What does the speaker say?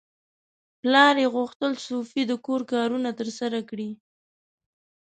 پلار یې غوښتل سوفي د کور کارونه ترسره کړي.